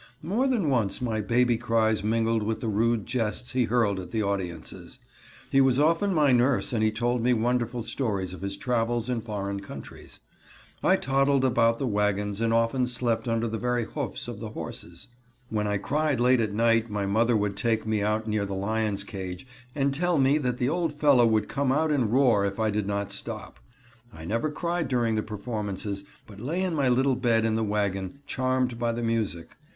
More than once my baby cries mingled with the rude jests he hurled at the audiences. He was often my nurse and he told me wonderful stories of his travels in foreign countries. I toddled about the wagons and often slept under the very hoofs of the horses. When I cried late at night my mother would take me out near the lion's cage and tell me that the old fellow would come out and roar if I did not stop. I never cried during the performances, but lay in my little bed in the wagon charmed by the music.